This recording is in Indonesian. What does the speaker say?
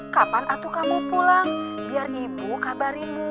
kapan atuh kamu pulang biar ibu kabarinmu